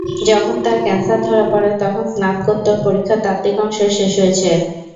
যখন তাঁর ক্যানসার ধরা পড়ে, তখন স্নাতকোত্তর পরীক্ষার তাত্ত্বিক অংশ শেষ হয়েছে।